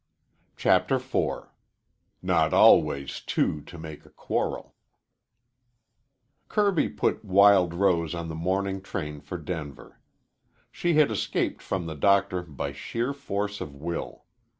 CHAPTER IV NOT ALWAYS TWO TO MAKE A QUARREL Kirby put Wild Rose on the morning train for Denver. She had escaped from the doctor by sheer force of will.